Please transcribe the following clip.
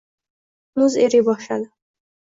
Muz eriy boshladi